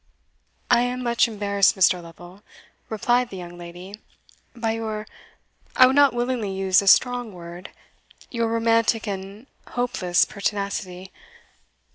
"I am much embarrassed, Mr. Lovel," replied the young lady, "by your I would not willingly use a strong word your romantic and hopeless pertinacity.